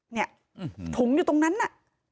เนี่ยถุงอยู่ตรงนั้นน่ะ